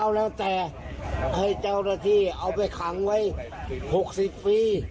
แล้วแต่ให้เจ้าหน้าที่เอาไปขังไว้๖๐ปี